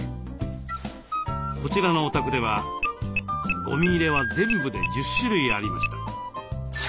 こちらのお宅ではゴミ入れは全部で１０種類ありました。